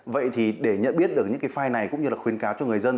vậy thì để nhận biết được những cái file này cũng như là khuyến cáo cho người dân